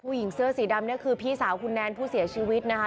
ผู้หญิงเสื้อสีดำเนี่ยคือพี่สาวคุณแนนผู้เสียชีวิตนะคะ